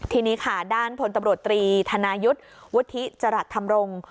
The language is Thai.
ทีนี้ค่ะด้านพลตำรวจตรีธนายุทธ์วุฒิจรัสธรรมรงค์